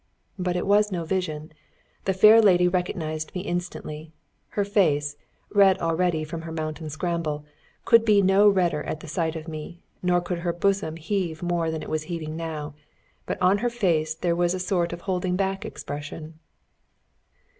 But it was no vision. The fair lady recognised me instantly. Her face, red already from her mountain scramble, could be no redder at the sight of me, nor could her bosom heave more than it was heaving now; but on her face there was a sort of holding back expression.